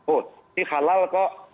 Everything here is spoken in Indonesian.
oh ini halal kok